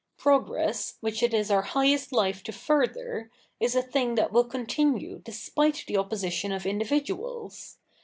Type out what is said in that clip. Progress, which it is our highest life to further, is a thing that will continue despite the opposition of individuals.